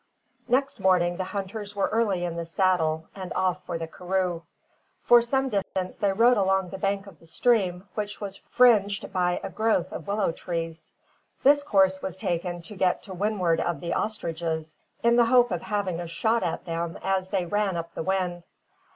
Next morning, the hunters were early in the saddle, and off for the karroo. For some distance, they rode along the bank of the stream which was fringed by a growth of willow trees. This course was taken to get to windward of the ostriches, in the hope of having a shot at them as they ran up the wind.